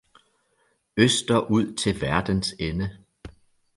Østerud til verdens ende